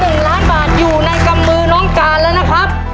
หนึ่งล้านบาทอยู่ในกำมือน้องการแล้วนะครับ